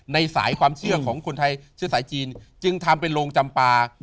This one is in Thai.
ในสายความเชื่อของคนไทยเชื้อสายจีนจึงทำเป็นโรงจำปลา